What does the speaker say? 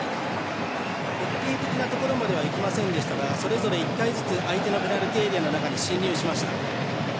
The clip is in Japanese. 決定的なところまでは行きませんでしたがそれぞれ１回ずつ相手のペナルティーエリアの中に進入しました。